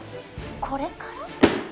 これから？